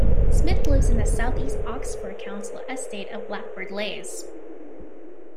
Smith lives in the southeast Oxford council estate of Blackbird Leys.